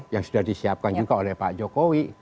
yang sudah disiapkan juga oleh pak jokowi